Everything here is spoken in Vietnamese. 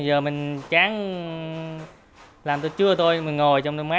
mấy giờ mình tráng làm tới trưa thôi mình ngồi trong đó mát rồi mình sắp